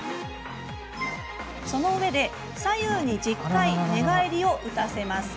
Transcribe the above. その上で左右に１０回寝返りを打たせます。